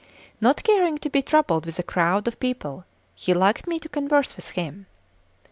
Not caring to be troubled with a crowd of people, he liked me to converse with him.